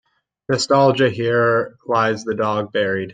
Nostalgia Here lies the dog buried.